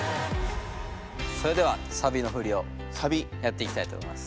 それではサビの振りをやっていきたいと思います。